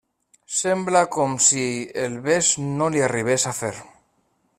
Sembla com si el bes no li arribés a fer.